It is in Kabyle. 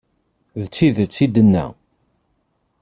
D tidet i d-nenna.